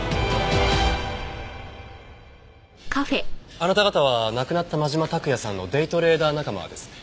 あなた方は亡くなった真島拓也さんのデイトレーダー仲間ですね？